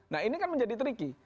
nah ini kan menjadi tricky